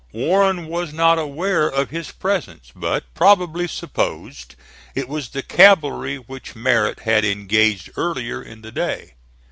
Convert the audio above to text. Warren was not aware of his presence, but probably supposed it was the cavalry which Merritt had engaged earlier in the day.